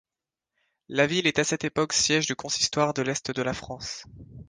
La ville est à cette époque siège du consistoire de l'Est de la France.